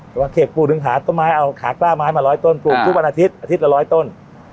แต่ว่าเขกปลูกถึงหาต้นไม้เอาขากล้าไม้มาร้อยต้นปลูกทุกวันอาทิตยอาทิตย์ละร้อยต้น